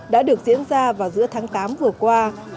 đã được diễn ra vào giữa tháng tám vừa qua